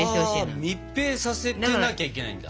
ああ密閉させてなきゃいけないんだ。